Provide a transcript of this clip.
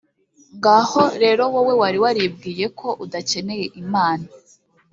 ngaho rero wowe wari waribwiye ko udakeneye imana